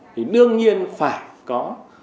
thì đương nhiên phải có